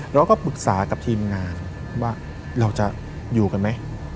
เราก็ปรึกษากับทีมงานว่าเราจะอยู่กันไหม